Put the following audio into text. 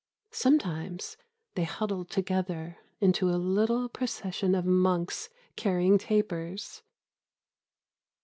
Sometimes they huddle together into a little procession of monks carrying tapers....